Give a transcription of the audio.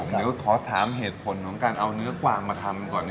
เดี๋ยวขอถามเหตุผลของการเอาเนื้อกวางมาทำก่อน